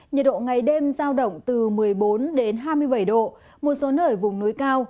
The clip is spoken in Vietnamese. nhật độ ngày đêm sao động từ một mươi bốn hai mươi bảy độ một số nởi vùng núi cao